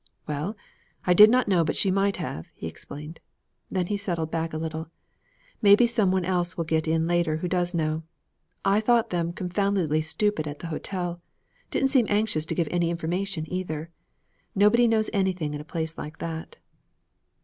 'Well, I did not know but she might have,' he explained. Then he settled back a little. 'Maybe some one else will get in later who does know. I thought them confoundedly stupid at the hotel. Didn't seem anxious to give any information either. Nobody knows anything in a place like that.'